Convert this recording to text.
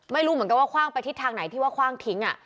ไม่รู้เหมือนกันว่าคว่างไปทิศทางไหนที่ว่าคว่างทิ้ง